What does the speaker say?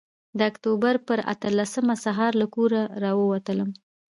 د اکتوبر پر اتلسمه سهار له کوره راووتلم.